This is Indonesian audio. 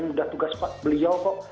ini sudah tugas beliau kok